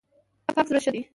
پاک زړه ښه دی.